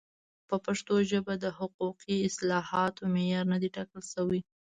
په پښتو ژبه د حقوقي اصطلاحاتو معیار نه دی ټاکل شوی.